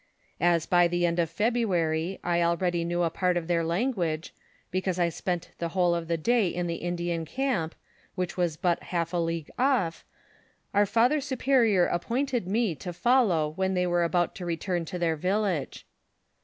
As by the end of February I already knew a part of their language, because I spent the whole of the day in the Indian camp, which was but half a league off, our father superior appointed me to follow when they were about t eturn to their village.